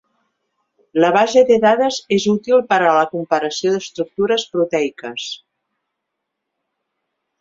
La base de dades és útil per a la comparació d'estructures proteiques.